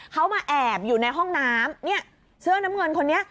เขามาแอบอยู่ในห้องน้ำเนี่ยเสื้อน้ำเงินคนนี้